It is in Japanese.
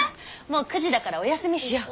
もう９時だからおやすみしよう。